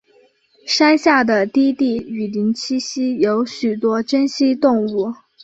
山下的低地雨林栖息有许多珍稀动物。